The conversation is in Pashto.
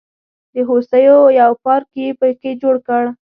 د هوسیو یو پارک یې په کې جوړ کړ.